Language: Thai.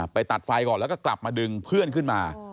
ไปตัดไฟก่อนแล้วก็กลับมาดึงเพื่อนขึ้นมา